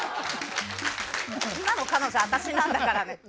今の彼女、私なんだから！